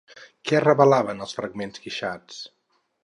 Què revelaven els fragments guixats?